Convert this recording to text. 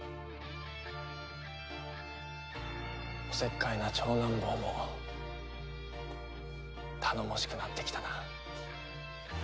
おせっかいな長男坊も頼もしくなってきたな。